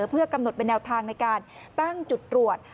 เพื่อกำหนดเป็นแนวทางในการตั้งจุดตรวจ